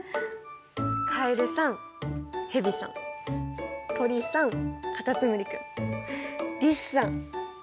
カエルさんヘビさん鳥さんカタツムリ君リスさん。